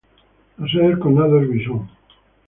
La sede del condado es Bison.